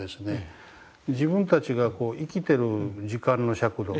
自分たちが生きてる時間の尺度